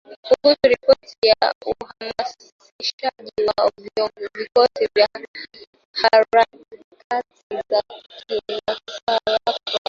Kuhusu ripoti ya uhamasishaji wa vikosi na harakati za misafara mikubwa ya makundi yenye silaha ambayo yameongeza mvutano ndani na kuzunguka Tripoli